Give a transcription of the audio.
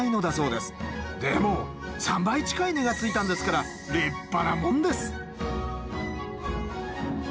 でも３倍近い値がついたんですから立派なもんです。